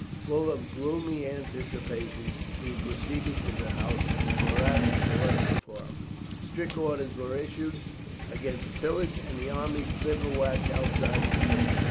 Full of gloomy anticipations he proceeded to the house Murat had selected for him. Strict orders were issued against pillage, and the army bivouacked outside the city.